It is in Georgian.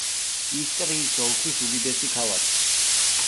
ისტრიის ოლქის უდიდესი ქალაქი.